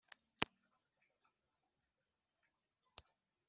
ibiremwa abyambike intwaro zo guhashya umwanzi.